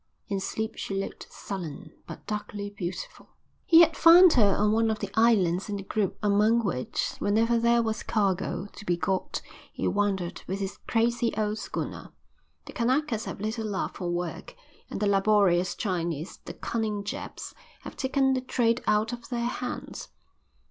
In sleep she looked sullen, but darkly beautiful. He had found her on one of the islands in the group among which, whenever there was cargo to be got, he wandered with his crazy old schooner. The Kanakas have little love for work, and the laborious Chinese, the cunning Japs, have taken the trade out of their hands.